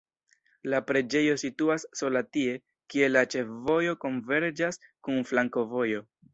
La preĝejo situas sola tie, kie la ĉefvojo konverĝas kun flankovojo.